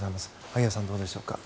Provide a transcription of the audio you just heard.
萩谷さん、どうでしょうか。